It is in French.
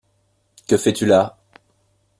Que fais-tu là